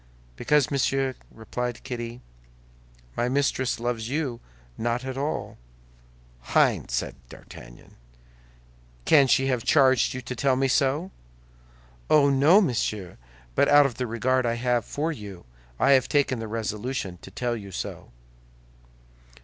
"Because, monsieur," replied Kitty, "my mistress loves you not at all." "Hein!" said D'Artagnan, "can she have charged you to tell me so?" "Oh, no, monsieur; but out of the regard I have for you, I have taken the resolution to tell you so."